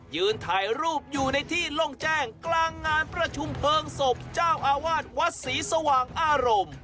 ยืนถ่ายรูปอยู่ในที่โล่งแจ้งกลางงานประชุมเพลิงศพเจ้าอาวาสวัดศรีสว่างอารมณ์